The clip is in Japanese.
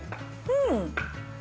うん！